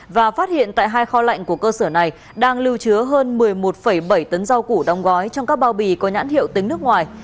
và phát hiện tại hai kho lạnh của cơ sở này đang lưu chứa hơn một mươi một bảy tấn rau củ đóng gói trong các bao bì có nhãn hiệu tính nước ngoài